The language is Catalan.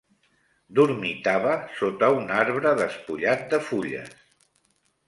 Dormitava sota un arbre despullat de fulles